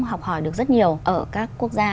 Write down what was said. học hỏi được rất nhiều ở các quốc gia